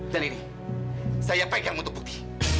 ini saya pegang untuk bukti